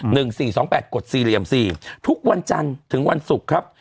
หนึ่งสี่สองแปดกดสี่เหลี่ยมสี่ทุกวันจันทร์ถึงวันศุกร์ครับ